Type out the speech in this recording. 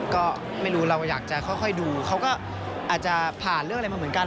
ก็ไม่รู้เราอยากจะค่อยดูเขาก็อาจจะผ่านเรื่องอะไรมาเหมือนกัน